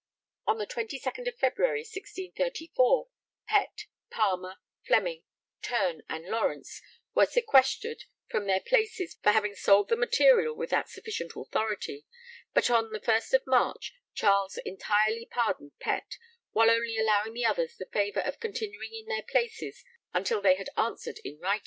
On 22nd February 1634, Pett, Palmer, Fleming, Terne, and Lawrence were sequestered from their places for having sold the material without sufficient authority, but on 1st March Charles entirely pardoned Pett, while only allowing the others the favour of continuing in their places until they had answered in writing.